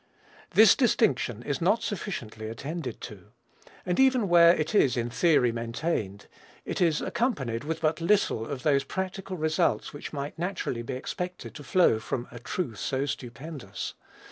This distinction is not sufficiently attended to; and even where it is in theory maintained, it is accompanied with but little of those practical results which might naturally be expected to flow from a truth so stupendous.